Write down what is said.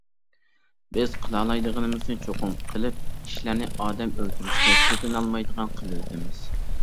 بىز قىلالايدىغىنىمىزنى چوقۇم قىلىپ، كىشىلەرنى ئادەم ئۆلتۈرۈشكە پېتىنالمايدىغان قىلىۋېتىمىز.